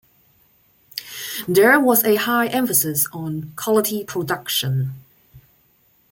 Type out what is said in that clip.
There was a high emphasis on quality production.